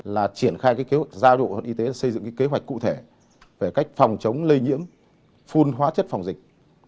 là triển khai kế hoạch gia độ y tế xây dựng kế hoạch cụ thể về cách phòng chống lây nhiễm phun hóa chất phòng dịch